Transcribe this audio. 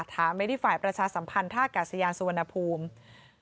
ถามไปที่ฝ่ายประชาสัมพันธ์ท่ากาศยานสุวรรณภูมิ